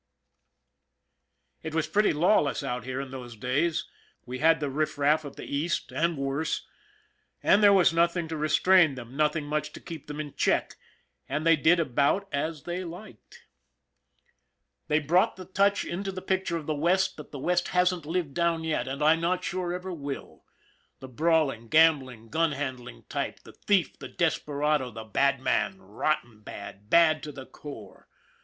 It was pretty lawless out here in those days. We had the riff raff of the East, and worse ; and there was nothing to restrain them, nothing much to keep them in check, and they did about as they liked. They 58 ON THE IRON AT BIG CLOUD brought the touch into the picture of the West that the West hasn't lived down yet, and I'm not sure ever will. The brawling, gambling, gun handling type, the thief, the desperado, the bad man, rotten bad, bad to the core.